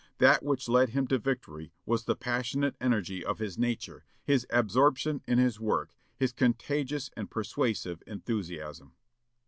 That which led him to victory was the passionate energy of his nature, his absorption in his work, his contagious and persuasive enthusiasm."